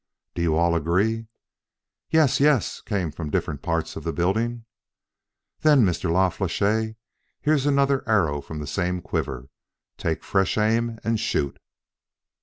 "Do you all agree?" "Yes, yes!" came from different parts of the building. "Then, Mr. La Flèche, here's another arrow from the same quiver. Take fresh aim and shoot."